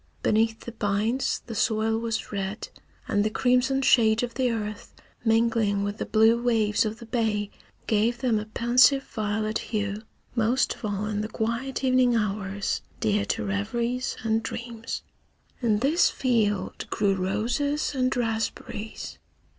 Beneath the pines the soil was red, and the crimson shade of the earth mingling with the blue waves of the bay gave them a pensive violet hue, most of all in the quiet evening hours dear to reveries and dreams. In this field grew roses and raspberries.